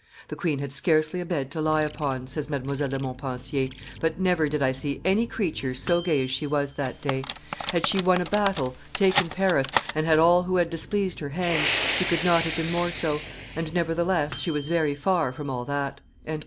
"The queen had scarcely a bed to lie upon," says Mdlle. de Montpensier, "but never did I see any creature so gay as she was that day; had she won a battle, taken Paris, and had all who had displeased her hanged, she could not have been more so, and nevertheless she was very far from all that."